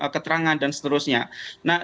keterangan dan seterusnya nah